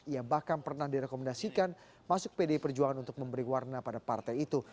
ia bahkan pernah direkomendasikan masuk pdi perjuangan untuk memberi warna pada partai itu